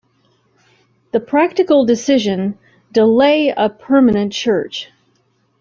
The practical decision, delay a permanent church.